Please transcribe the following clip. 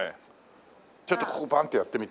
ちょっとここバンってやってみて。